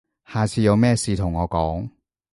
下次有咩事同我講